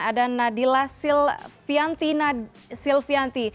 ada nadila silvianti